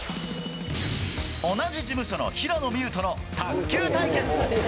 同じ事務所の平野美宇との卓球対決。